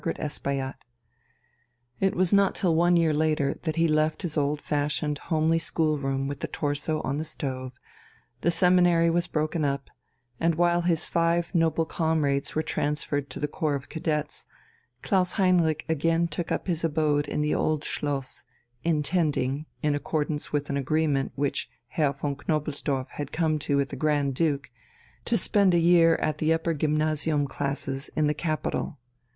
It was not till one year later that he left his old fashioned homely schoolroom with the torso on the stove; the seminary was broken up, and while his five noble comrades were transferred to the Corps of Cadets, Klaus Heinrich again took up his abode in the Old Schloss, intending, in accordance with an agreement which Herr von Knobelsdorff had come to with the Grand Duke, to spend a year at the upper gymnasium classes in the capital.